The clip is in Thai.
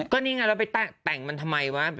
ก็นี่ไงแล้วไปแต่งมันทำไมวะ